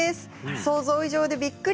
想像以上でびっくり。